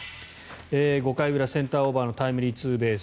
５回裏センターオーバーのタイムリーツーベース。